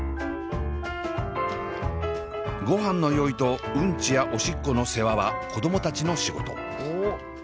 ごはんの用意とうんちやおしっこの世話は子供たちの仕事。